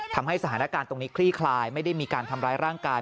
ทำให้สถานการณ์ตรงนี้คลี่คลายไม่ได้มีการทำร้ายร่างกาย